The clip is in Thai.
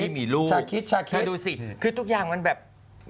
แม่คุณแม่คุณแม่คุณ